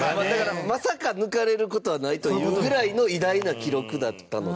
まさか抜かれる事はないというぐらいの偉大な記録だったので。